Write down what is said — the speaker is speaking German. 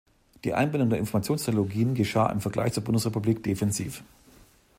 Die Einbindung der Informationstechnologien geschah im Vergleich zur Bundesrepublik defensiv.